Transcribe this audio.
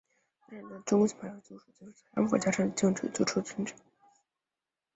冷少农等中共情报人员为中央苏区取得这三次反围剿战争的胜利作出了贡献。